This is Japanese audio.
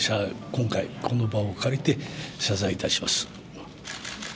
今回、この場を借りて謝罪いたします。